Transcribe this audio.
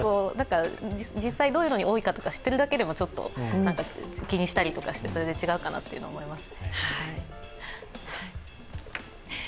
実際どういうのに多いか知っておくだけでも、気にしたりとかして違うかなと思います。